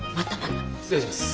失礼します。